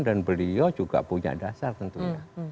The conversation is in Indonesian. dan beliau juga punya dasar tentunya